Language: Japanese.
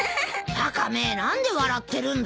ワカメ何で笑ってるんだ？